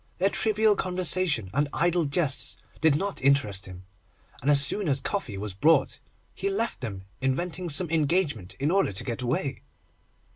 Their trivial conversation and idle jests did not interest him, and as soon as coffee was brought he left them, inventing some engagement in order to get away.